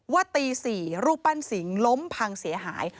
ว่าตี๔รูปปั้นสิงห์ล้มพังเสียหาย